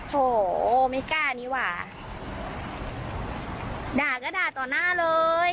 โหไม่กล้านี้หว่าด่าก็ด่าต่อหน้าเลย